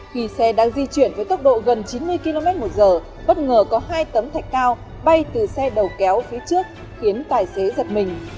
khi xe đang di chuyển với tốc độ gần chín mươi km một giờ bất ngờ có hai tấm thạch cao bay từ xe đầu kéo phía trước khiến tài xế giật mình